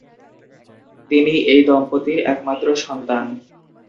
তিনি এই দম্পতির একমাত্র সন্তান।